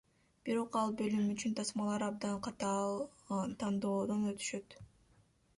Бирок ал бөлүм үчүн тасмалар абдан катаал тандоодон өтүшөт.